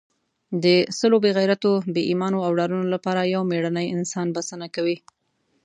د سلو بې غیرتو، بې ایمانو او ډارنو لپاره یو مېړنی انسان بسنه کوي.